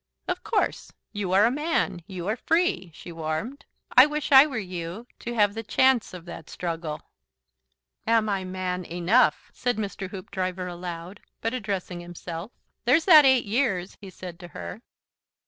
"Of course. You are a Man. You are free " She warmed. "I wish I were you to have the chance of that struggle." "Am I Man ENOUGH?" said Mr. Hoopdriver aloud, but addressing himself. "There's that eight years," he said to her.